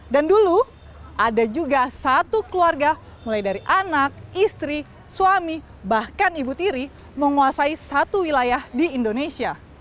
dan dulu ada juga satu keluarga mulai dari anak istri suami bahkan ibu tiri menguasai satu wilayah di indonesia